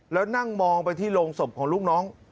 แล้วนั่งมองไปที่โรงศพของลูกน้อง